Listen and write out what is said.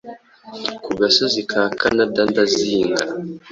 Ku gasozi ka Kanada ndazinga